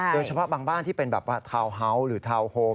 โดยเฉพาะบางบ้านที่เป็นแบบว่าเท้าเฮ้าซ์หรือเท้าโฮม